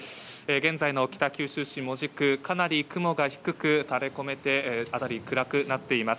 現在の北九州市門司区、かなり雲が低く垂れこめて、辺り、暗くなっています。